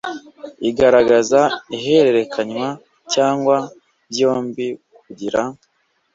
igaragaza ihererekanya cyangwa byombi kugira